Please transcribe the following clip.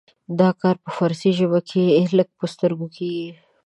دا کار په فارسي ژبه کې لږ په سترګه کیږي.